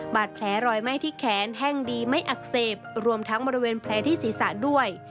บาดแผลรอยไหม้ที่แขนแห้งดีไม่อักเสบรวมทั้งบริเวณแผลที่ศีรษะด้วย